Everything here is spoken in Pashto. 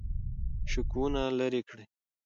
شکونه لرې کړئ.